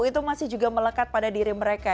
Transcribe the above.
itu masih juga melekat pada diri mereka